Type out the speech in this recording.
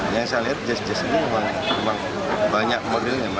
yang saya lihat jas jazz ini memang banyak modelnya